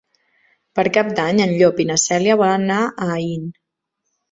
Per Cap d'Any en Llop i na Cèlia volen anar a Aín.